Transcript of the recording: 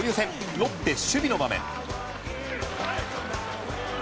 ロッテ守備の場面。